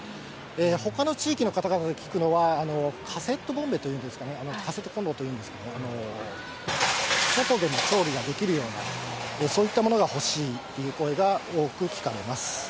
ほかの地域の方々で聞くのは、カセットボンベというんですかね、カセットこんろというんですかね、外でも調理ができるような、そういったものが欲しい声が多く聞かれます。